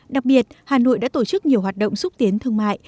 đặc biệt hà nội đã tổ chức nhiều hoạt động xúc tiến thương mại